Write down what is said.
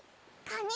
カニ？